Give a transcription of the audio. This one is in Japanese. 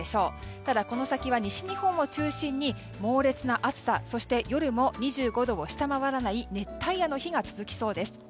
ただ、この先は西日本を中心に猛烈な暑さ、そして夜も２５度を下回らない熱帯夜の日が続きそうです。